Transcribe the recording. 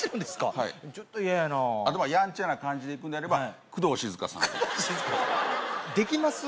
はいちょっと嫌やなではやんちゃな感じでいくんであれば工藤静香さん工藤静香さん？